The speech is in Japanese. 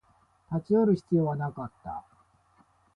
立ち寄る必要はなかった